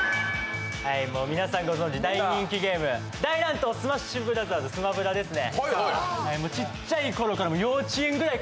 皆さんご存じ、大人気ゲーム「大乱闘スマッシュブラザーズ」「スマブラ」ですね。